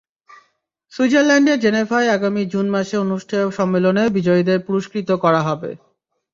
সুইজারল্যান্ডের জেনেভায় আগামী জুন মাসে অনুষ্ঠেয় সম্মেলনে বিজয়ীদের পুরস্কৃত করা হবে।